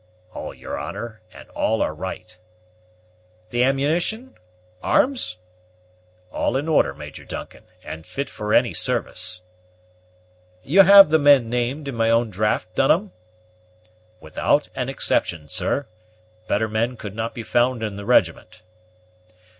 "All, your honor; and all are right." "The ammunition arms?" "All in order, Major Duncan, and fit for any service." "You have the men named in my own draft, Dunham?" "Without an exception, sir. Better men could not be found in the regiment."